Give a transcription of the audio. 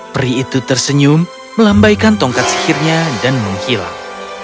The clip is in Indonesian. peri itu tersenyum melambaikan tongkat sihirnya dan menghilang